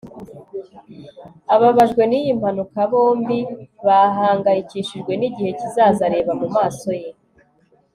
ababajwe niyi mpanuka bombi bahangayikishijwe nigihe kizaza areba mumaso ye